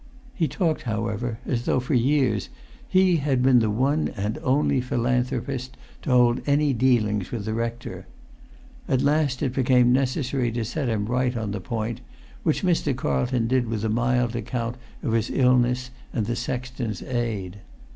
He talked, however, as though for years he had been the one and only philanthropist to hold any dealings with the rector; at last it became necessary to set him right on the point, which Mr. Carlton did with a mild account of his illness and the sexton's aid.